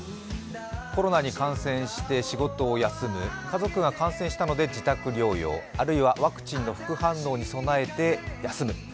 コロナに感染して仕事を休む、家族が感染したので自宅療養あるいはワクチンの副反応に備えて休む。